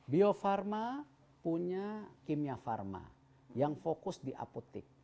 bio farma punya kimia pharma yang fokus di apotek